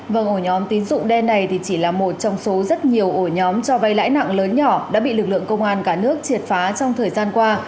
vâng ổ nhóm tín dụng đen này thì chỉ là một trong số rất nhiều ổ nhóm cho vay lãi nặng lớn nhỏ đã bị lực lượng công an cả nước triệt phá trong thời gian qua